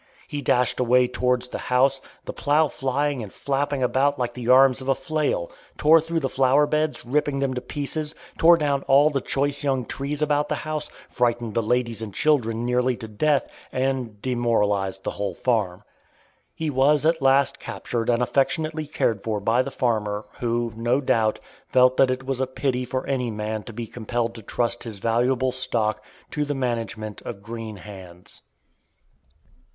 He dashed away towards the house, the plow flying and flapping about like the arms of a flail; tore through the flower beds, ripping them to pieces; tore down all the choice young trees about the house; frightened the ladies and children nearly to death, and demoralized the whole farm. He was at last captured and affectionately cared for by the farmer, who, no doubt, felt that it was a pity for any man to be compelled to trust his valuable stock to the management of green hands.